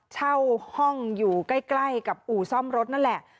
เช่าห้องอยู่ใกล้กับอู่ซ่อมรถนั่นแหละ